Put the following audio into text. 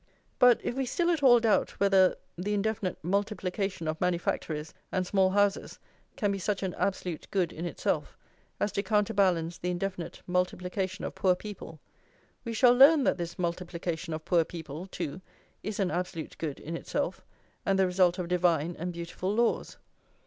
But, if we still at all doubt whether the indefinite multiplication of manufactories and small houses can be such an absolute good in itself as to counterbalance the indefinite multiplication of poor people, we shall learn that this multiplication of poor people, too, is an absolute good in itself, and the result of divine and beautiful laws.